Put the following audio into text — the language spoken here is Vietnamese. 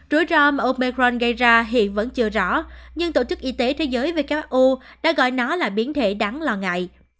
rủi ro mà opecron gây ra hiện vẫn chưa rõ nhưng tổ chức y tế thế giới who đã gọi nó là biến thể đáng lo ngại